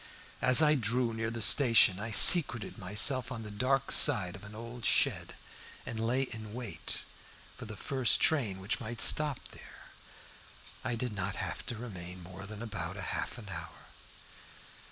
As I drew near the station I secreted myself on the dark side of an old shed, and lay in wait for the first train which might stop there. I did not have to remain more than about half an hour.